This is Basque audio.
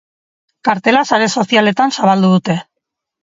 Kartela sare sozialetan zabaldu dute.